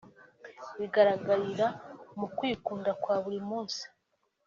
Bigaragarira mu kwikunda kwa buri munsi